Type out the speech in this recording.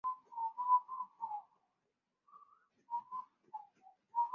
粗糙棘猛水蚤为异足猛水蚤科棘猛水蚤属的动物。